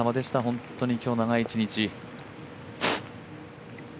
本当に今日長い一日。